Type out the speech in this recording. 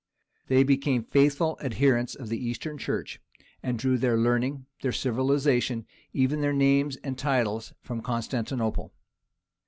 They became faithful adherents of the Eastern Church, and drew their learning, their civilization, even their names and titles from Constantinople.